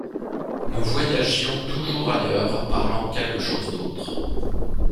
Nous voyagions toujours ailleurs, parlant quelque chose d'autre.